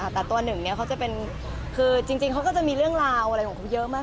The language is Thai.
แต่ตัวหนึ่งเขาจะเป็นคือจริงเขาก็จะมีเรื่องราวอะไรของเขาเยอะมาก